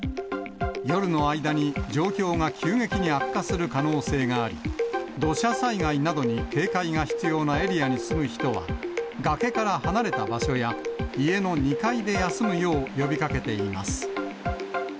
夜の間に状況が急激に悪化する可能性があり、土砂災害などに警戒が必要なエリアに住む人は、崖から離れた場所や家の２階で休むよう呼びかけています。